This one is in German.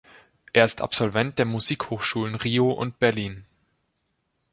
Er ist Absolvent der Musikhochschulen Rio und Berlin.